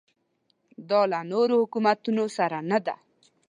دا له نورو حکومتونو سره نه ده.